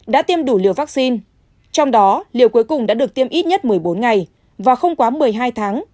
đã tiêm đủ liều vaccine trong đó liều cuối cùng đã được tiêm ít nhất một mươi bốn ngày và không quá một mươi hai tháng